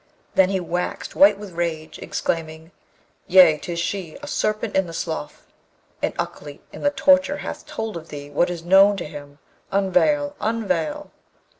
Then he waxed white with rage, exclaiming, 'Yea, 'tis she! a serpent in the slough! and Ukleet in the torture hath told of thee what is known to him. Unveil! unveil!'